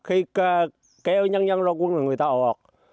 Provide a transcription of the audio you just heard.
khi kêu nhân dân ra quân là người ta ồ ồ